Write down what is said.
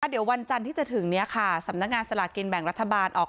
เดี๋ยววันจันทร์ที่จะถึงนี้ค่ะสำนักงานสลากินแบ่งรัฐบาลออก